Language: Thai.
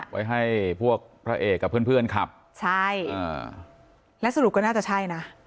ไว้ให้พวกพระเอกกับเพื่อนเพื่อนขับใช่อ่าแล้วสรุปก็น่าจะใช่นะ